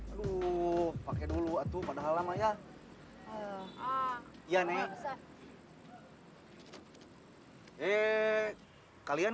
aduh pake dulu atuh pada hal lama ya